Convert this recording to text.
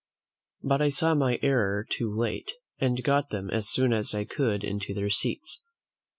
But I saw my error too late, and got them as soon as I could into their seats.